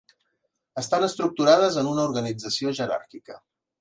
Estan estructurades en una organització jeràrquica.